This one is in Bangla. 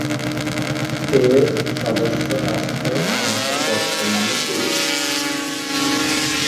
এর সদস্য রাষ্ট্রের সংখ্যা বর্তমানে তিরিশ।